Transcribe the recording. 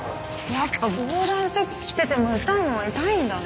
やっぱ防弾チョッキ着てても痛いのは痛いんだね。